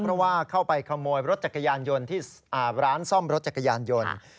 เพราะว่าเข้าไปขโมยรถจักรยานยนต์ที่ร้านซ่อมรถจักรยานยนต์